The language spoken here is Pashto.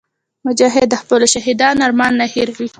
مجاهد د خپلو شهیدانو ارمان نه هېروي.